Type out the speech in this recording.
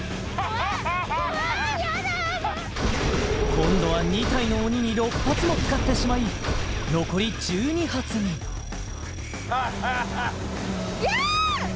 今度は２体の鬼に６発も使ってしまい残り１２発にハハハいやーっ！